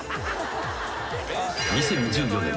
［２０１４年。